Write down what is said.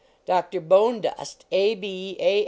Doctor Bonedust, A. H ., A.